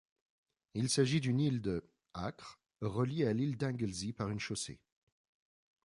Il s'agit d'une île de acres, reliée à l'île d'Anglesey par une chaussée.